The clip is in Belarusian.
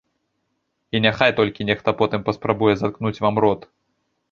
І няхай толькі нехта потым паспрабуе заткнуць вам рот.